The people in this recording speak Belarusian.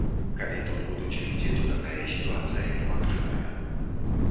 Калі тут будуць людзі, то такая сітуацыя немагчымая.